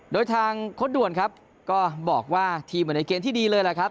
โดยทางโค้ดด่วนครับก็บอกว่าทีมเหมือนในเกมที่ดีเลยแหละครับ